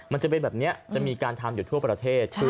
มันจะเป็นแบบนี้จะมีการทำอยู่ทั่วประเทศ